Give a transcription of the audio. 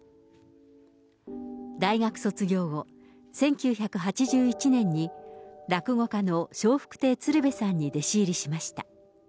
大学卒業後、１９８１年に落語家の笑福亭鶴瓶さんに弟子入りしました。